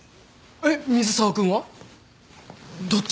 えっ水沢君は？どっち？